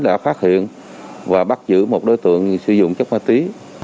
đã phát hiện và bắt giữ một đối tượng sử dụng chất ma túy